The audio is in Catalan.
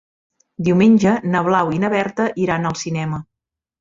Diumenge na Blau i na Berta iran al cinema.